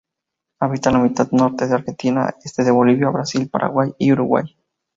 Habita en la mitad norte de Argentina, este de Bolivia, Brasil, Paraguay y Uruguay.